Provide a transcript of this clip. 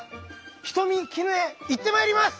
人見絹枝行ってまいります！